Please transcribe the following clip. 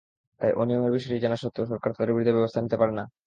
তাই অনিয়মের বিষয়টি জানা সত্ত্বেও সরকার তাঁদের বিরুদ্ধে ব্যবস্থা নিতে পারে না।